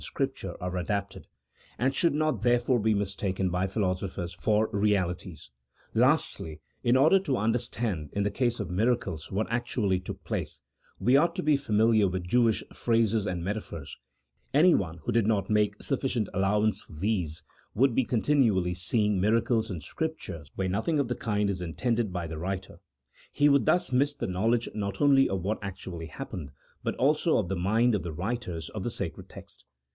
Scripture are adapted, and should not, therefore, be mis taken by philosophers for realities. Lastly, in order to understand, in the case of miracles, what actually took place, we ought to be familiar with Jewish phrases and metaphors ; anyone who did not make sufficient allowance for these, would be continually seeing miracles in Scripture where nothing of the kind is intended by the writer ; he would thus miss the knowledge not only of what actually happened, but also of the mind of the writers of the sacred text.